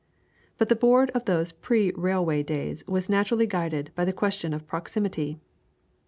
But the Board of those pre railway days was naturally guided by the question of proximity.